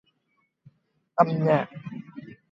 Âm nhạc